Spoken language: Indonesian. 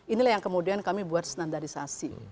inilah yang kemudian kami buat standarisasi